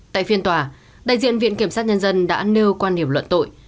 tại phiên tòa đại diện viện kiểm sát nhân dân đã nêu quan điểm luận tội